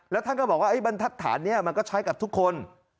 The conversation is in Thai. แล้วท่านก็บอกว่าบรรทัศน์นี้มันก็ใช้กับทุกคน